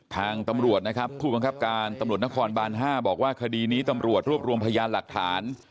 ทางตำรวจนะครับผู้บังคับการตำรวจนครบาน๕บอกว่าคดีนี้ตำรวจรวบรวมพยานหลักฐาน